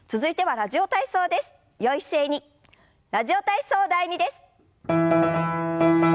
「ラジオ体操第２」です。